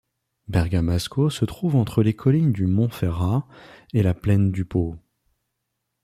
Bergamasco se trouve entre les collines du Montferrat et la Plaine du Pô.